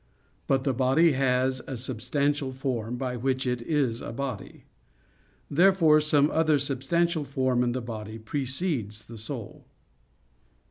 But the body has a substantial form by which it is a body. Therefore some other substantial form in the body precedes the soul.